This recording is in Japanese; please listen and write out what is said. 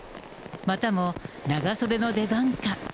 またも長袖の出番か。